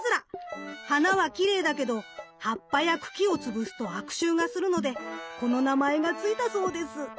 花はきれいだけど葉っぱや茎をつぶすと悪臭がするのでこの名前がついたそうです。